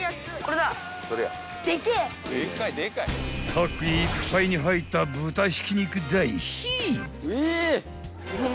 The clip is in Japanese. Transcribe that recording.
［パックいっぱいに入った豚ひき肉だいヒー！］